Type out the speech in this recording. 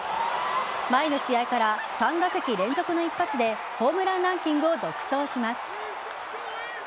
前の試合から３打席連続の一発でホームランランキングを独走します。